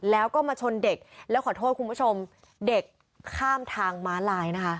แล้วก็มาชนเด็กแล้วขอโทษคุณผู้ชมเด็กข้ามทางม้าลายนะคะ